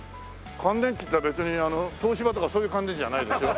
乾電池って別に東芝とかそういう乾電池じゃないですよ。